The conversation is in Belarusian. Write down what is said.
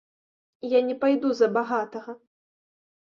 Я не пайду за багатага.